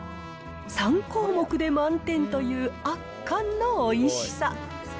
３項目で満点という圧巻のおいしさ。